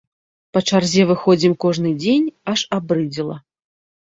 Па чарзе выходзім кожны дзень, аж абрыдзела.